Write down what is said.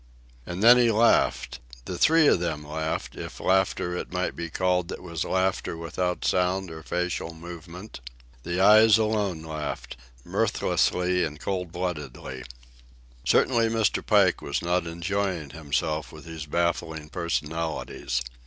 And then he laughed—the three of them laughed, if laughter it might be called that was laughter without sound or facial movement. The eyes alone laughed, mirthlessly and cold bloodedly. Certainly Mr. Pike was not enjoying himself with these baffling personalities.